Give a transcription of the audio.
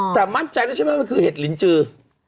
แต่มั่นใจแล้วใช่ไหมมันคือเห็ดลินจือ